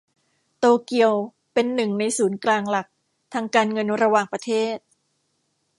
โตเกียวเป็น หนึ่ง ในศูนย์กลางหลักทางการเงินระหว่างประเทศ